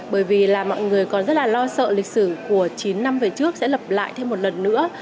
bởi vì là mọi người còn rất là lo sợ lịch sử của chín năm về trước sẽ lập lại thêm một lần nữa